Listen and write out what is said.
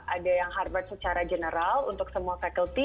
ada yang harvard secara general untuk semua faculty